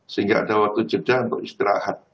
sehingga ada waktu jeda untuk istirahat